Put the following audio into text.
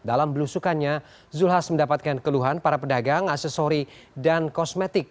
dalam belusukannya zulkifli hasan mendapatkan keluhan para pedagang aksesori dan kosmetik